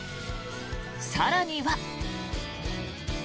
更には。